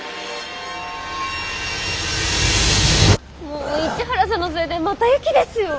もう市原さんのせいでまた雪ですよ。